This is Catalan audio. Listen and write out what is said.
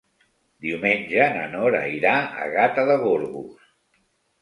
Diumenge na Nora irà a Gata de Gorgos.